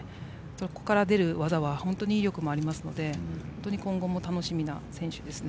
ここから出る技は本当に威力もありますので今後も楽しみな選手ですね。